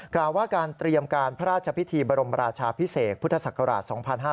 กล่าวว่าการเตรียมการพระราชพิธีบรมราชาพิเศษพุทธศักราช๒๕๕๙